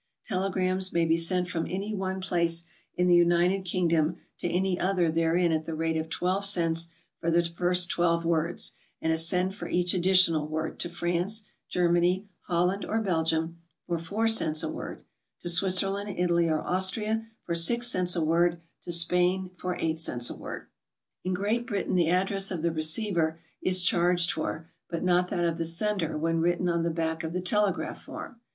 Telegrams may be sent from any one place in the United Kingdom to any other therein at the rate of 12 cents for the first 12 words, and a cent for each additional word; to France, Germany, Holland or Be'lgium for 4 cents a word; to Switzerland, Italy or Austria for 6 cents a word; to Spain for 8 cents a word. In Great Britain the address of the receiver is charged for, but not that of the sender when written on the back of the telegraph form.